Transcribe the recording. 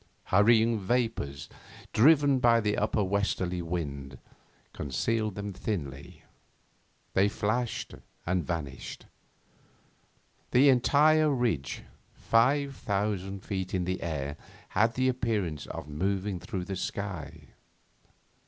Hurrying vapours, driven by the upper westerly wind, concealed them thinly. They flashed and vanished. The entire ridge, five thousand feet in the air, had an appearance of moving through the sky.